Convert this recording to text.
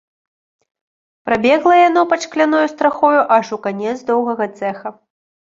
Прабегла яно пад шкляною страхою аж у канец доўгага цэха.